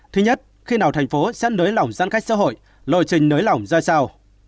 thứ nhất khi nào thành phố sẽ nới lỏng giãn cách xã hội lộ trình nới lỏng ra sao